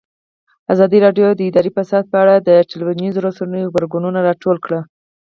ازادي راډیو د اداري فساد په اړه د ټولنیزو رسنیو غبرګونونه راټول کړي.